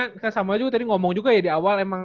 kan samuel juga tadi ngomong juga ya di awal